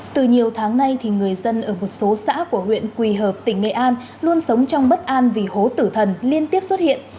từ nhiều tháng nay người dân ở một số xã của huyện quỳ hợp tỉnh nghệ an luôn sống trong bất an vì hố tử thần liên tiếp xuất hiện